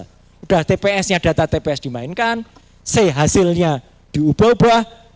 sudah tpsnya data tps dimainkan hasilnya diubah ubah